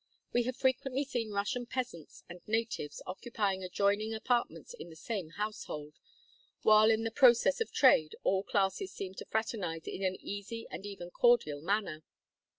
We have frequently seen Russian peasants and natives occupying adjoining apartments in the same household, while in the process of trade all classes seem to fraternize in an easy and even cordial manner.